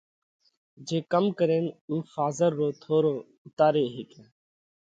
جي ڪم ڪرينَ اُو ڦازر رو ٿورو اُوتاري هيڪئه؟